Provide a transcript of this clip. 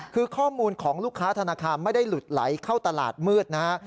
คือข้อมูลของลูกค้าธนาคารไม่ได้หลุดไหลเข้าตลาดมืดนะฮะ